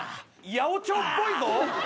八百長っぽいぞ。